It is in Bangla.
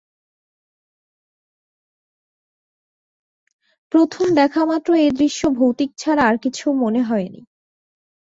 প্রথম দেখামাত্রই এ দৃশ্য ভৌতিক ছাড়া আর কিছু মনে হয়নি।